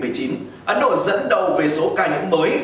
ấn độ dẫn đầu về số ca nhiễm mới